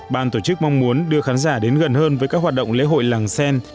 bàn tổ chức mong muốn đưa khán giả đến gần hơn với các hoạt động lễ hội làng xen